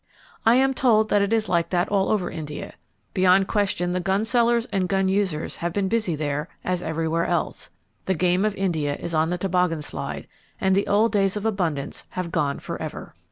I am told that it is like that all over India. Beyond question, the gun sellers and gun users have been busy there, as everywhere else. The game of India is on the toboggan slide, and the old days of abundance have gone forever.